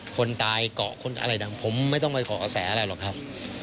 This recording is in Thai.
คนตายเกาะคนอะไรดังผมไม่ต้องไปเกาะกระแสอะไรหรอกครับ